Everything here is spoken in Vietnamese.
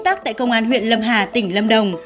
tác tại công an huyện lâm hà tỉnh lâm đông